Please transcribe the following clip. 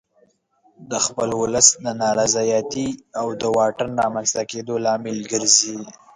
د خپل ولس د نارضایتي او د واټن رامنځته کېدو لامل ګرځي.